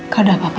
kau udah apa apa